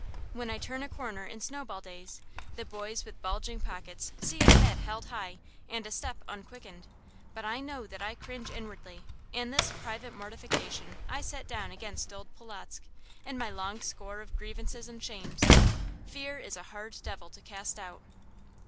When I turn a corner in snowball days, the boys with bulging pockets see a head held high and a step unquickened, but I know that I cringe inwardly; and this private mortification I set down against old Polotzk, in my long score of grievances and shames. Fear is a devil hard to cast out.